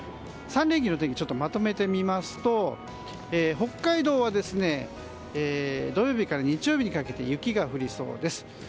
３連休の天気をまとめてみますと北海道は土曜日から日曜日にかけて雪が降りそうです。